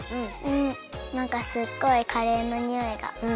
なんかすっごいカレーのにおいが。